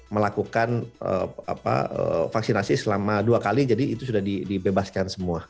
melakukan vaksinasi selama dua kali jadi itu sudah dibebaskan semua